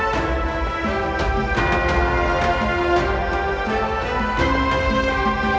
สวัสดีครับสวัสดีครับ